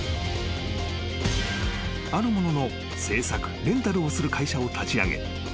［あるものの製作レンタルをする会社を立ち上げ］